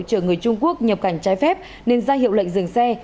chở người trung quốc nhập cảnh trái phép nên ra hiệu lệnh dừng xe